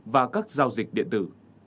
và các giao dịch điện tử